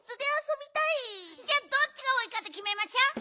じゃあどっちがおおいかできめましょう。